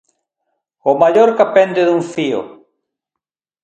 O Mallorca pende dun fío.